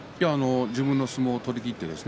自分の相撲を取りきってます。